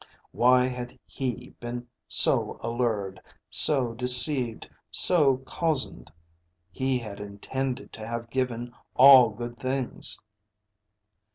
Why had he been so allured, so deceived, so cozened? He had intended to have given all good things.